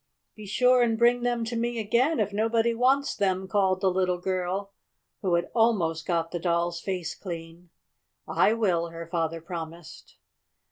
"Be sure and bring them to me again, if nobody wants them!" called the little girl, who had almost got the Doll's face clean. "I will," her father promised.